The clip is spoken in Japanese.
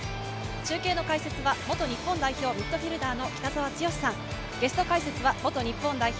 中継の解説は元日本代表・ミッドフィールダーの北澤豪さん、ゲスト解説は元日本代表